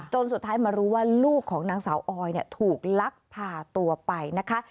สุดท้ายมารู้ว่าลูกของนางสาวออยถูกลักพาตัวไปนะคะ